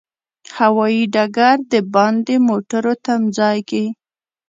هوایي ډګر د باندې موټرو تمځای کې.